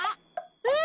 うん！